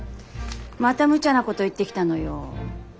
またむちゃなこと言ってきたのよ。